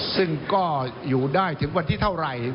ซึ่งก็อยู่ได้ถึงวันที่เท่าไหร่